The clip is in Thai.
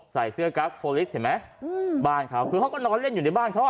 ใส่เสื้อกั๊กโพลิสเห็นไหมอืมบ้านเขาคือเขาก็นอนเล่นอยู่ในบ้านเขาอ่ะ